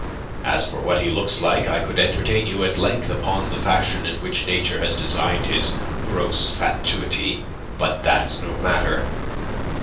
As for what he looks like, I could entertain you at length upon the fashion in which nature has designed his gross fatuity. But that is no matter.